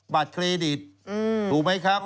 บัตรเครดิตถูกไหมครับ